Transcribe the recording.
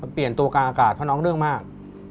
เปลี่ยนตัวกลางอากาศเพราะน้องเรื่องมาก